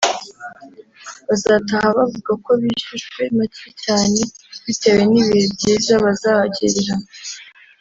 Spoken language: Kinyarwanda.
bazataha bavuga ko bishyujwe macye cyane bitewe n’ibihe byiza bazahagirira